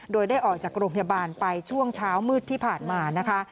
โดยได้ออกจากโรงพยาบาลไปช่วงเช้ามืดที่ผ่านมานะคะ